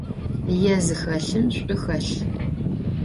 Yê zıxelhım ş'u xelh.